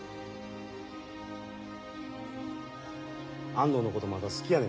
安藤のことまだ好きやねんな。